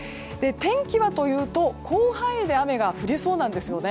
天気はというと広範囲で雨が降りそうです。